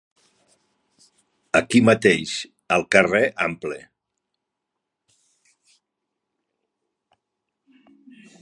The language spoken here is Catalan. Aquí mateix, al carrer Ample.